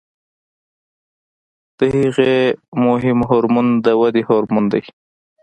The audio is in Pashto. د هغې مهم هورمون د ودې هورمون دی.